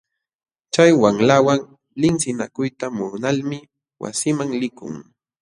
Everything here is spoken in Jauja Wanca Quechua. Chay wamlawan liqsinakuyta munalmi wasinman likun.